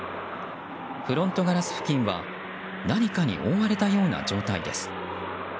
フロントガラス付近は何かに覆われたような状態です。